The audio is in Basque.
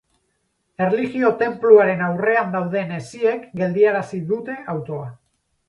Erlijio tenpluaren aurrean dauden hesiek geldiarazi dute autoa.